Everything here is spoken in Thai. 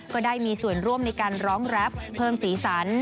ก็ได้มีส่วนร่วมในการร้องแรปเพิ่มสีสัน